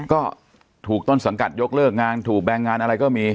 ก็ถูกต้นสังกัดยกเลิกงานถูกแบงงานอะไรก็มี